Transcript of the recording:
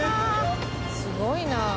すごいな。